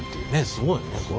すごいね。